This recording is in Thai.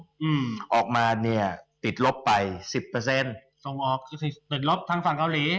อืมออกมาเนี้ยติดลบไปสิบเปอร์เซ็นต์ส่งออกติดลบทางฝั่งเกาหลี